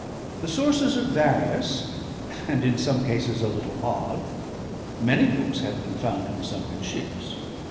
The sources are various and in some cases a little odd. Many books have been found in sunken ships.